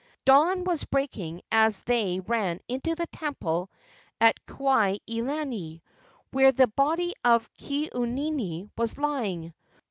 Dawn was breaking as they ran into the temple at Kuai he lani, where the body of Ke au nini was lying.